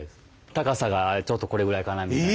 高さがちょうどこれぐらいかなみたいな。